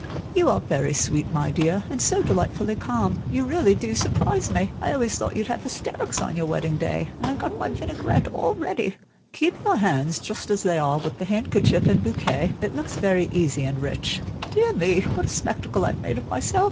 "You are very sweet, my dear, and so delightfully calm, you really do surprise me. I always thought you'd have hysterics on your wedding day, and got my vinaigrette all ready. Keep your hands just as they are, with the handkerchief and bouquet, it looks very easy and rich. Dear me, what a spectacle I've made of myself!